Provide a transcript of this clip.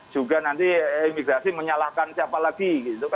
juga nanti imigrasi menyalahkan siapa lagi